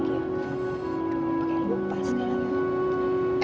gue lupa segalanya